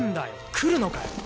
来るのかよ！